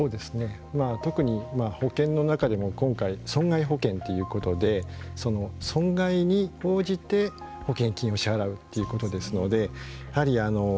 特に保険の中でも今回損害保険ということで損害に応じて保険金を支払うということですのでやはり、